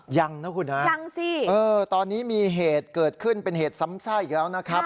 ยังนะคุณฮะยังสิตอนนี้มีเหตุเกิดขึ้นเป็นเหตุซ้ำซากอีกแล้วนะครับ